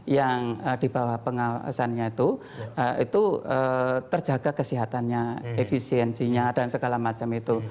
yang di bawah pengawasannya itu itu terjaga kesehatannya efisiensinya dan segala macam itu